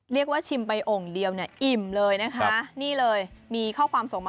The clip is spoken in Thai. ชิมไปองค์เดียวเนี่ยอิ่มเลยนะคะนี่เลยมีข้อความส่งมา